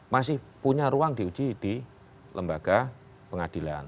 masih punya ruang di uji di lembaga pengadilan